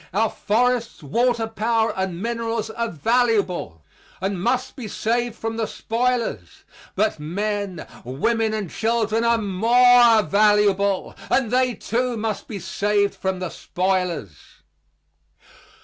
Our forests, water power and minerals are valuable and must be saved from the spoilers; but men, women and children are more valuable and they, too, must be saved from the spoilers.